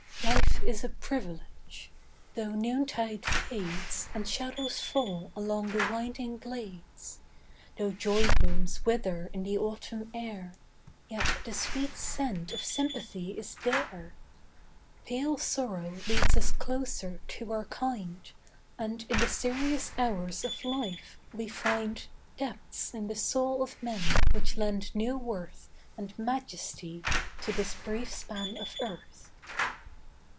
Life is a privilege. Though noontide fades And shadows fall along the winding glades; Though joy blooms wither in the autumn air, Yet the sweet scent of sympathy is there. Pale sorrow leads us closer to our kind, And in the serious hours of life we find Depths in the soul of men which lend new worth And majesty to this brief span of earth.